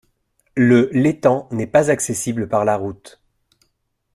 Le l'étang n'est pas accessible par la route.